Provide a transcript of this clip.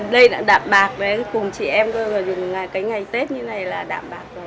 đây là đạm bạc cùng chị em dùng ngày tết như này là đạm bạc rồi